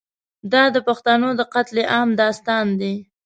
دا د پښتنو د قتل عام داستان دی.